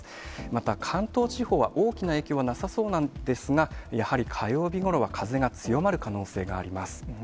また関東地方は、大きな影響はなさそうなんですが、やはり火曜日ごろは風が強まる可能性があります。